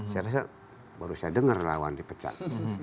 saya rasa baru saya dengar relawan dipecat